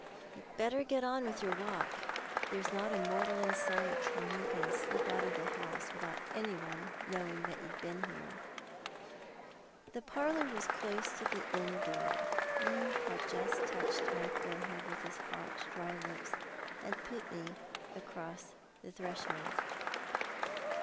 "You'd better get on with your walk. There's not a mortal in sight, and you can sliiD out of the house without any one knowing that you've been in it." T'he parlour was close to the inn door. He just touched my foreliead with his hot, dry lijos, and j^ut me across the threshold.